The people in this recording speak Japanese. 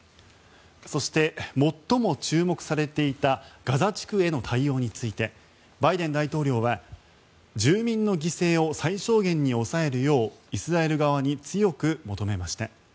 そして、最も注目されていたガザ地区への対応についてバイデン大統領は住民の犠牲を最小限に抑えるようイスラエル側に強く求めました。